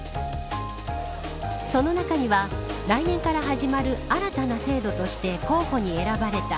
その中には来年から始まる新たな制度として候補に選ばれた